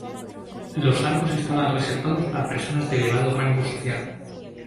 Los arcos estaban reservados para personas de elevado rango social.